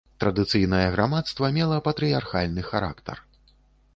Традыцыйнае грамадства мела патрыярхальны характар.